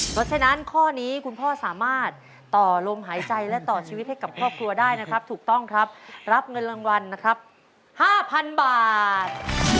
เพราะฉะนั้นข้อนี้คุณพ่อสามารถต่อลมหายใจและต่อชีวิตให้กับครอบครัวได้นะครับถูกต้องครับรับเงินรางวัลนะครับ๕๐๐๐บาท